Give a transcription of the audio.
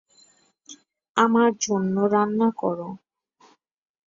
আমার জন্য রান্না করো।